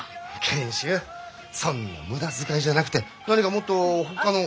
賢秀そんな無駄遣いじゃなくて何かもっとほかの。